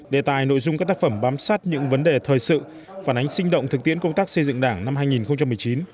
đề tài nội dung các tác phẩm bám sát những vấn đề thời sự phản ánh sinh động thực tiễn công tác xây dựng đảng năm hai nghìn một mươi chín